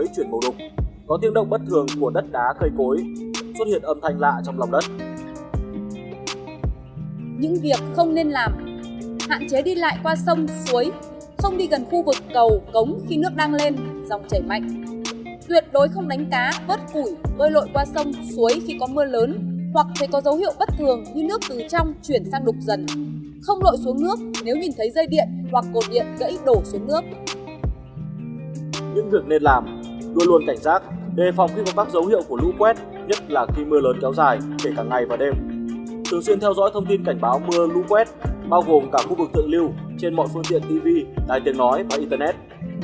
trên mọi phương tiện tv đài tiếng nói và internet